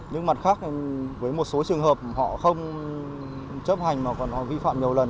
nhưng mặt khác với một số trường hợp họ không chấp hành mà còn họ vi phạm nhiều lần